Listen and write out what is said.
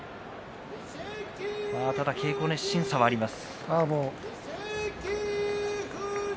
ただ稽古熱心さはあります。